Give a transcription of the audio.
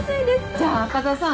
じゃあ赤座さん